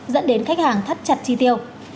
dẫn đến khách hàng thắt chặt chi tiêu